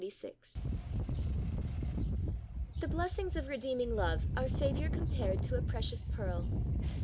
2:3 5 The Pearl 'T^HE blessings of redeeming love our Saviour compared to a precious pearl.